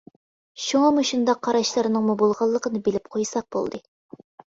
شۇڭا مۇشۇنداق قاراشلارنىڭمۇ بولغانلىقىنى بىلىپ قويساق بولدى.